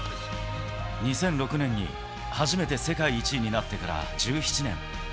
２００６年に初めて世界１位になってから１７年。